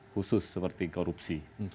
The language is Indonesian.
khusus seperti korupsi